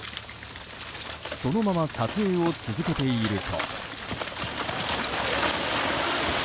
そのまま撮影を続けていると。